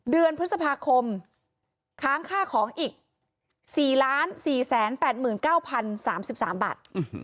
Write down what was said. เดือนพฤษภาคมค้างค่าของอีก๔๔๘๙๐๓๓บาท